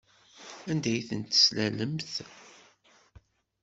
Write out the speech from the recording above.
Anda ay ten-teslalemt?